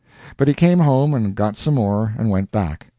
But he came home and got some more and went back.